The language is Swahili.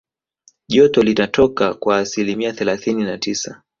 joto linatoka kwa asilimia thelathini na tisa